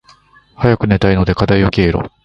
早く寝たいので課題よ消えろ。